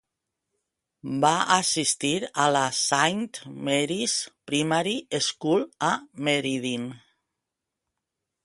Va assistir a la Saint Mary's Primary School a Merredin.